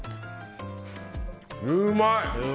うまい！